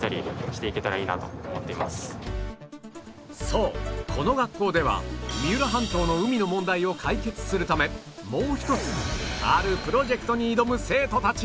そうこの学校では三浦半島の海の問題を解決するためもう一つあるプロジェクトに挑む生徒たちがいる